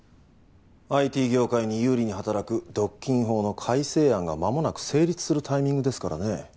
ＩＴ業界に有利に働く独禁法の改正案が間もなく成立するタイミングですからね。